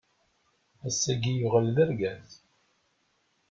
Ass-agi yuɣal d argaz.